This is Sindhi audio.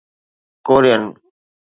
ڪورين